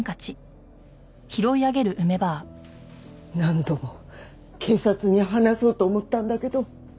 何度も警察に話そうと思ったんだけど。